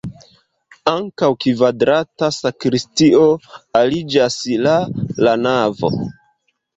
Ankaŭ kvadrata sakristio aliĝas la la navo.